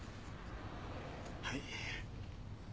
はい。